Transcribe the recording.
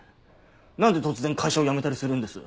何で突然会社を辞めたりするんです？